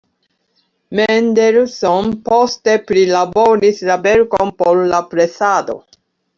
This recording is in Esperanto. Mendelssohn poste prilaboris la verkon por la presado.